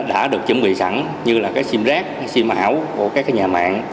đã được chuẩn bị sẵn như là sim rác sim ảo của các nhà mạng